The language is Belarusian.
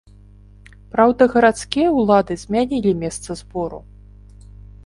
Праўда, гарадскія ўлады змянілі месца збору.